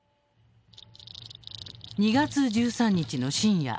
２月１３日の深夜